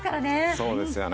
そうですよね。